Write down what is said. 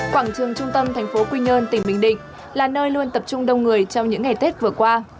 quảng trường trung tâm thành phố quy nhơn tỉnh bình định là nơi luôn tập trung đông người trong những ngày tết vừa qua